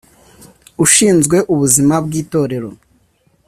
Ushinzwe ubuzima bw’itorero